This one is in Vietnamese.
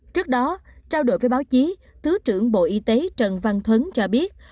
trước đó trao đổi với báo chí thứ trưởng bộ y tế trần văn thuấn cho biết